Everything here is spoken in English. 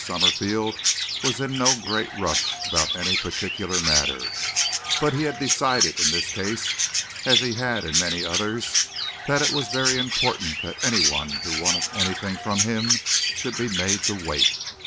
Summerfield was in no great rush about any particular matter, but he had decided in this case as he had in many others that it was very important that anyone who wanted anything from him should be made to wait.